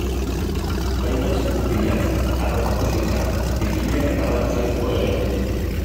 Baita txingurriak, arropako sitsak, pipiak eta abar uxatzeko ere.